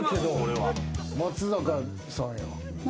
松坂さんやん。